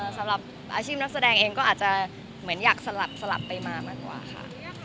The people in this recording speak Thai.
สำหรับอาชีพนักแสดงเองก็อาจจะเหมือนอยากสลับไปมามากกว่าค่ะ